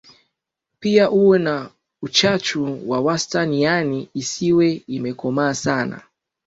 Pia uwe na uchachu wa wastani yaani isiwe imekomaa sana